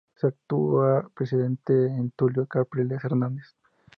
Su actual presidente es Tulio Capriles Hernández.